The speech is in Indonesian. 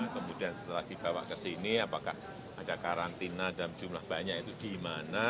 kemudian setelah dibawa ke sini apakah ada karantina dalam jumlah banyak itu di mana